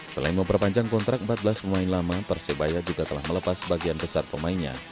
selain memperpanjang kontrak empat belas pemain lama persebaya juga telah melepas sebagian besar pemainnya